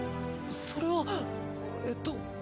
それはえっと。